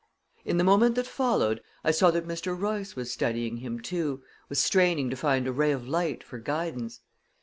In the moment that followed, I saw that Mr. Royce was studying him, too, was straining to find a ray of light for guidance.